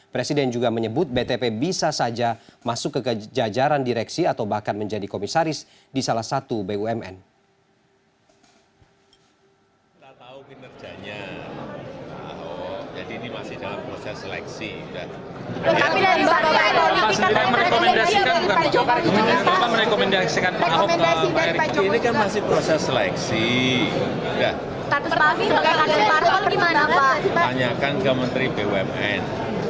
presiden juga menyebut btp bisa saja masuk ke kejajaran direksi atau bahkan menjadi komisaris di salah satu bumn